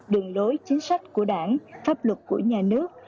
đường lối chính sách của đảng pháp luật của nhà nước